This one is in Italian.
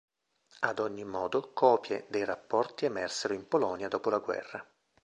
Ad ogni modo copie dei rapporti emersero in Polonia dopo la guerra.